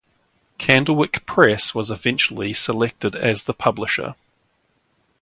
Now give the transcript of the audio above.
Candlewick Press was eventually selected as the publisher.